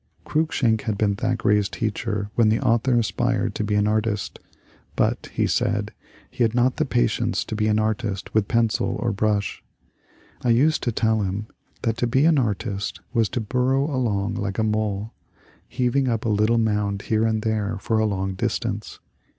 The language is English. Cruikshank had been Thackeray's teacher when the author aspired to be an artist ; *'but," he said, ^'he had not the patience to be an artist with pencil or brush.^ I used to tell him that to be an artist was to burrow along like a mole, heaving up a little mound here and there for a long distance.